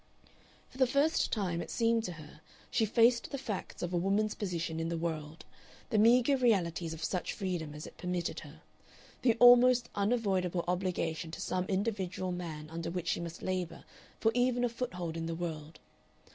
For the first time, it seemed to her, she faced the facts of a woman's position in the world the meagre realities of such freedom as it permitted her, the almost unavoidable obligation to some individual man under which she must labor for even a foothold in the world.